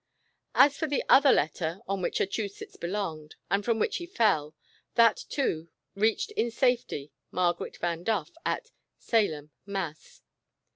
As for the other letter on which Achusetts belonged, and from which he fell, that, reached in safety Margaret Van Duff at Salem, Mass too.